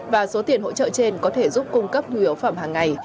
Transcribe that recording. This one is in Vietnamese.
và số tiền hỗ trợ trên có thể giúp cung cấp nguy hiếu phẩm hàng ngày